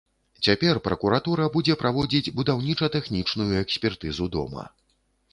Цяпер пракуратура будзе праводзіць будаўніча-тэхнічную экспертызу дома.